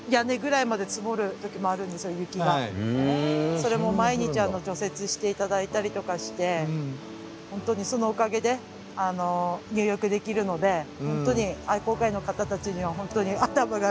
それも毎日除雪して頂いたりとかしてほんとにそのおかげで入浴できるのでほんとに愛好会の方たちにはほんとに頭が下がります。